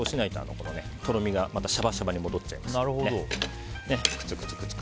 そうしないととろみがシャバシャバに戻っちゃいます。